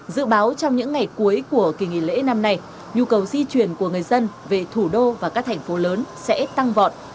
dự báo trong những ngày cuối của kỳ nghỉ lễ năm nay nhu cầu di chuyển của người dân về thủ đô và các thành phố lớn sẽ tăng vọt